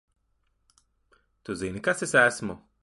Tu zini, kas es esmu?